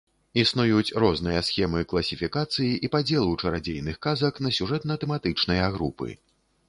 Існуюць розныя схемы класіфікацыі і падзелу чарадзейных казак на сюжэтна-тэматычныя групы.